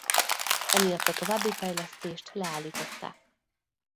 Emiatt a további fejlesztést leállították.